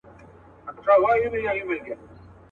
ماته په اورغوي کي ازل موجونه کښلي وه.